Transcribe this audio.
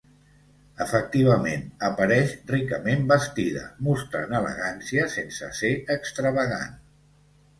Efectivament, apareix ricament vestida, mostrant elegància, sense ser extravagant.